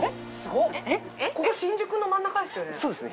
ここ新宿の真ん中ですよね？